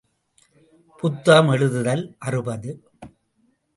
புத்தகம் எழுதுதல் அறுபது.